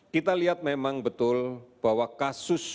kita lihat memang betul bahwa kasus yang terjadi di wilayah kita